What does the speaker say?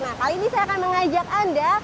nah kali ini saya akan mengajak anda